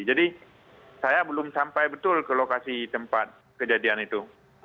jadi saya belum sampai betul ke lokasi tempat kejadian itu